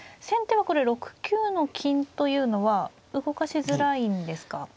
先手はこれ６九の金というのは動かしづらいんですか。